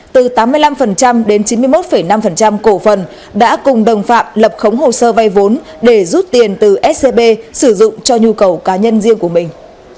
từ tám mươi năm đến chín mươi một năm cổ phần đã cùng đồng phạm lập khống hồ sơ vay vốn để rút tiền từ scb sử dụng cho nhu cầu cá nhân riêng của mình